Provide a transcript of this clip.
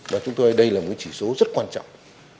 và chúng tôi đây là một chỉ số rất quan trọng